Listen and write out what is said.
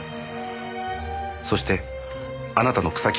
そしてあなたの草木